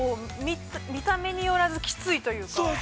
◆見た目によらずきついというか。